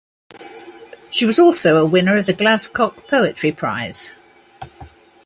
She was also a winner of the Glascock Poetry Prize.